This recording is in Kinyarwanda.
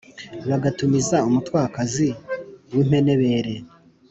Bagatumiz umutwákazi w ímpenébeere